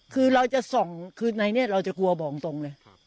คือว่าเราจะกลัวบอกตรงเลย